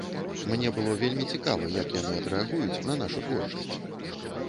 Мне было вельмі цікава, як яны адрэагуюць на нашу творчасць.